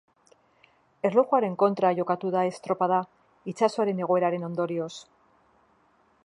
Erlojuaren kontra jokatu da estropada, itsasoaren egoeraren ondorioz.